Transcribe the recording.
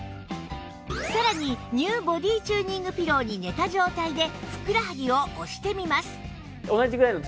さらに ＮＥＷ ボディチューニングピローに寝た状態でふくらはぎを押してみます